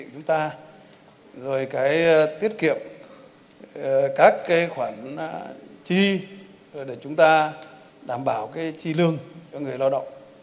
chúng ta rồi cái tiết kiệm các cái khoản chi để chúng ta đảm bảo cái chi lương cho người lao động